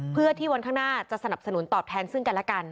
เพื่อที่วันข้างหน้าจะสนับสนุนตอบแทนซึ่งกันและกัน